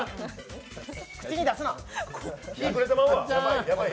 口に出すな！